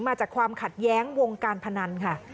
มาจากความขัดแย้งวงการพนันค่ะ